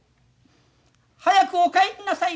早くお帰んなさい！」。